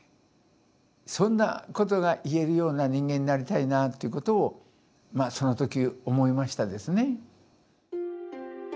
そんなことが言えるような人間になりたいなということをその時思いましたですね。